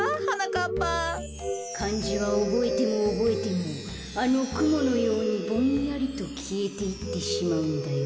かんじはおぼえてもおぼえてもあのくものようにぼんやりときえていってしまうんだよ。